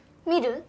見る？